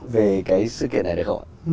về cái sự kiện này được không ạ